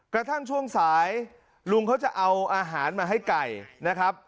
กระทั่งช่วงสายลุงเขาจะเอาอาหารมาให้ไก่นะครับ